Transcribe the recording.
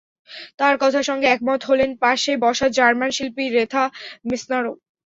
তাঁর কথার সঙ্গে একমত হলেন পাশে বসা জার্মান শিল্পী রেথা মেসনারও।